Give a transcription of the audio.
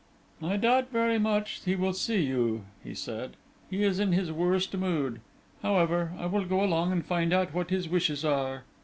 "I doubt very much whether he will see you," he said: "he is in his worst mood. However, I will go along and find out what his wishes are."